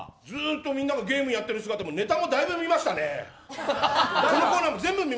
ずっとみんながゲームやってる時間とかネタもだいぶ見ましたね。